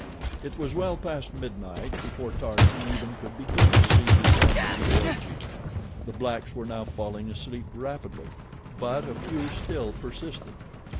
It was well past midnight before Tarzan even could begin to see the end of the orgy. The blacks were now falling asleep rapidly; but a few still persisted.